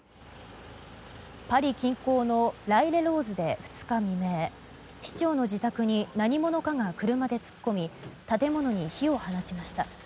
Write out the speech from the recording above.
パリ近郊のライレローズで２日未明市長の自宅に何者かが車で突っ込み建物に火を放ちました。